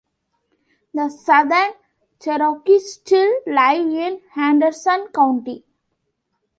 The Southern Cherokee still live in Henderson County.